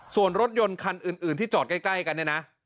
ส่วนรถยนต์คันอื่นที่จอดใกล้กันเนี่ยนะ